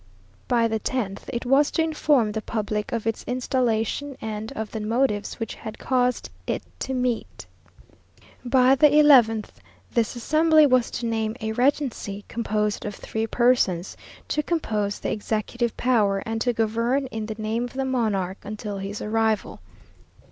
By the tenth, it was to inform the public of its installation, and of the motives which had caused it to meet. By the eleventh, this assembly was to name a regency, composed of three persons, to compose the executive power, and to govern in the name of the monarch, until his arrival.